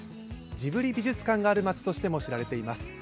ジブリ美術館のある街としても知られています。